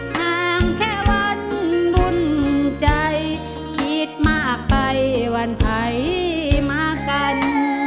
ห่างแค่วันวุ่นใจคิดมากไปวันไทยมากัน